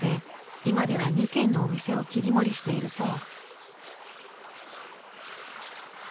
今では２軒のお店を切り盛りしているそう。